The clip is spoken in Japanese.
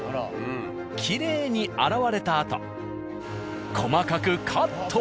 きれいに洗われたあと細かくカット。